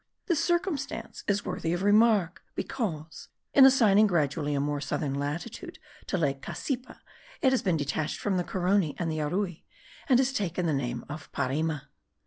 This circumstance is worthy of remark, because, in assigning gradually a more southern latitude to lake Cassipa, it has been detached from the Carony and the Arui, and has taken the name of Parima.